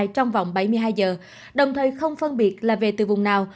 trong vòng bảy mươi hai giờ đồng thời không phân biệt là về từ vùng nào